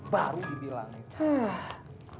baru dibilang ya